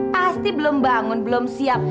pasti belum bangun belum siap